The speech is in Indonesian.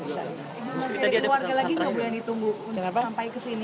masih ada keluarga lagi yang ditunggu sampai ke sini